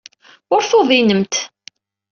Ur tuḍinemt.